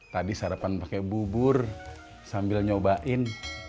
tadi sarapan pakai bubur sambil nyobain